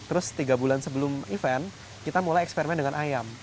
terus tiga bulan sebelum event kita mulai eksperimen dengan ayam